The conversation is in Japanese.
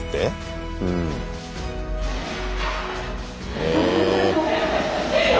へえ。